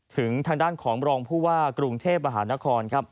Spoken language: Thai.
ถึงทางด้านของรองผู้ว่ากรุงเทพฯมหานคร